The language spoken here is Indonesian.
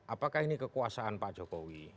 apakah ini kekuasaan pak jokowi